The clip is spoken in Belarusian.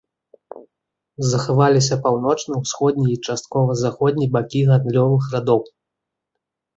Захаваліся паўночны, усходні і часткова заходні бакі гандлёвых радоў.